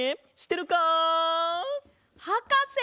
はかせ！